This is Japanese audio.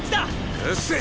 うっせえ！